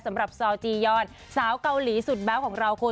สำหรับซอลจียอนสาวเกาหลีสุดแบ๊วของเราคุณ